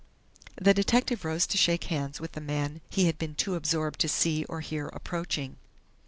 The detective rose to shake hands with the man he had been too absorbed to see or hear approaching.